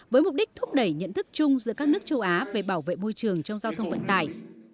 với mục đích thúc đẩy nhận thức chung giữa các nước châu á về bảo vệ môi trường trong giao thông vận tải